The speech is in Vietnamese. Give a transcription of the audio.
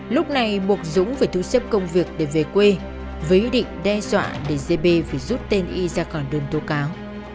lúc này buộc dũng phải thu xếp công việc để về quê với ý định đe dọa để giê bê phải rút tên y ra cả đơn tố cáo